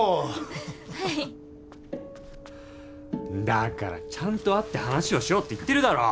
だからちゃんと会って話をしようって言ってるだろ。